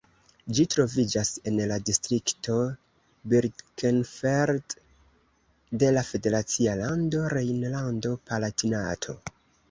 Ĝi troviĝas en la distrikto Birkenfeld de la federacia lando Rejnlando-Palatinato.